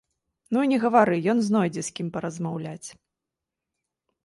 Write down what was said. Ну і не гавары, ён знойдзе, з кім паразмаўляць.